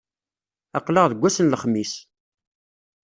Aql-aɣ deg ass n lexmis.